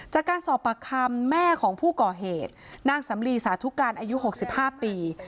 จากการสอบปากคำแม่ของผู้ก่อเหตุนางสำลีสาธุการอายุ๖๕ปี